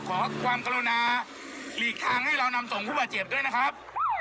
ขอความกรุณาหลีกทางให้เรานำส่งผู้บาดเจ็บด้วยนะครับ